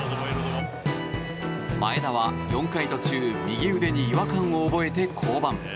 前田は４回途中右腕に違和感を覚えて、降板。